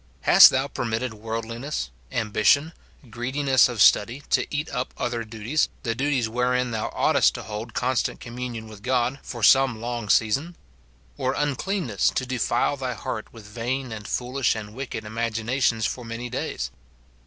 Hast thou permitted worldliness, ambition, greediness of study, to eat up other duties, the duties wherein thou oughtest to hold constant communion with God, for some long season ? or uncleanness to defile thy heart with vain, and foolish, and wicked imaginations for many days